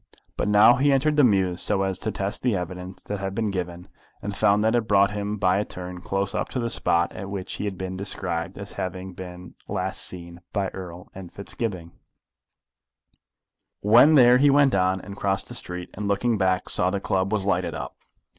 But now he entered the mews so as to test the evidence that had been given, and found that it brought him by a turn close up to the spot at which he had been described as having been last seen by Erle and Fitzgibbon. When there he went on, and crossed the street, and looking back saw the club was lighted up.